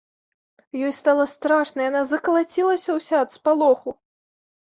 Ёй стала страшна, яна закалацілася ўся ад спалоху.